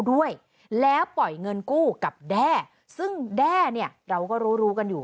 ด้วยแล้วปล่อยเงินกู้กับแด้ซึ่งแด้เนี่ยเราก็รู้รู้กันอยู่